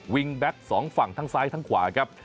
แบ็คสองฝั่งทั้งซ้ายทั้งขวาครับ